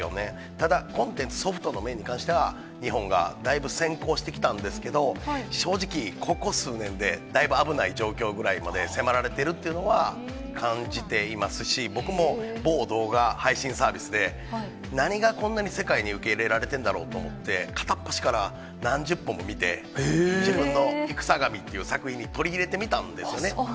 ただ、コンテンツ、ソフトの面に関しては、日本がだいぶ先行してきたんですけど、正直、ここ数年でだいぶ危ない状況ぐらいまで迫られているっていうのは感じていますし、僕も某動画配信サービスで、何がこんなに世界に受け入れられてんだろうと思って、片っ端から何十本も見て、自分のイクサガミっていう作品に取り入れてみたんですよね。